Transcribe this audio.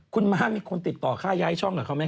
คุณม้ามีคนติดต่อค่าย้ายช่องกับเขาไหม